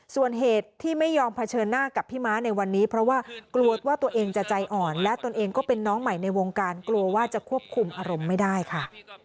ส่วนเหตุที่ไม่ยอมเผชิญหน้ากับพี่ม้าในวันนี้เพราะว่ากลัวว่าตัวเองจะใจอ่อนและตนเองก็เป็นน้องใหม่ในวงการกลัวว่าจะควบคุมอารมณ์ไม่ได้ค่ะ